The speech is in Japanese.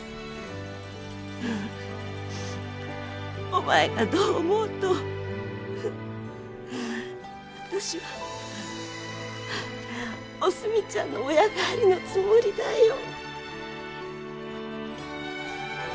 お前がどう思おうと私はおすみちゃんの親代わりのつもりだよ。